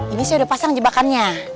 ini saya udah pasang jebakannya